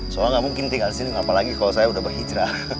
soalnya nggak mungkin tinggal di sini apalagi kalau saya udah berhijrah